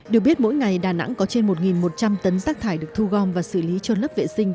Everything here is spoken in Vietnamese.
được biết mỗi ngày đà nẵng có trên một một trăm linh tấn rác thải được thu gom và xử lý trôn lấp vệ sinh